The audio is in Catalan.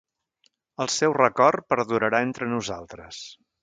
El seu record perdurarà entre nosaltres.